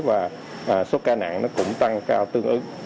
và số ca nặng nó cũng tăng cao tương ứng